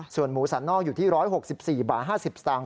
ส่วนหมูสันนอกอยู่ที่๑๖๔บาท๕๐สตางค